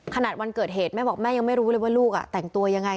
ขนาดวันเกิดเหตุแม่บอกแม่ยังไม่รู้เลยว่าลูกแต่งตัวยังไง